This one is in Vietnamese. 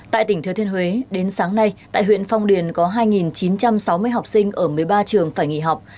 tại tỉnh thừa thiên huế đến sáng nay tại huyện phong điền có hai chín trăm sáu mươi học sinh ở một mươi ba trường phải nghỉ học